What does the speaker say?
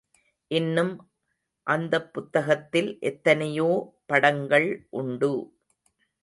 இன்னும் அந்தப் புத்தகத்தில் எத்தனையோ படங்கள் உண்டு!